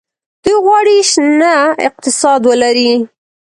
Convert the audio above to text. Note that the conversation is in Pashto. دوی غواړي شنه اقتصاد ولري.